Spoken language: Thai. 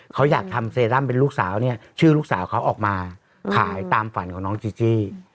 เขาอยากทำเซรั่มเป็นลูกสาวเนี่ยชื่อลูกสาวเขาออกมาขายตามฝันของน้องจีจี้